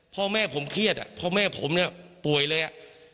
พ่อแม่ผมเครียดอ่ะพ่อแม่ผมเนี่ยป่วยเลยอ่ะ